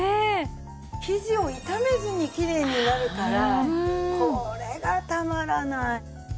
生地を傷めずにきれいになるからこれがたまらない。